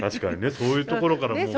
そういうところからもう。